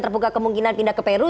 terbuka kemungkinan pindah ke peru